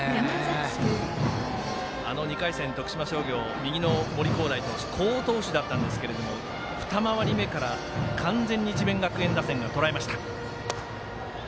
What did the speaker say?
２回戦、徳島商業右の森煌誠投手好投手だったんですが２回り目から完全に智弁学園打線がとらえました。